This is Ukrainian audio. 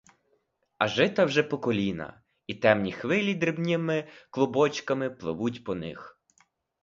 А жита вже по коліна, і темні хвилі дрібними клубочками пливуть по них.